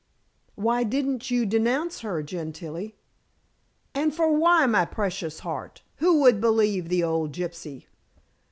"Why didn't you denounce her, Gentilla?" "And for why, my precious heart? Who would believe the old gypsy?